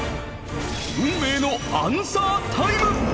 運命のアンサータイム！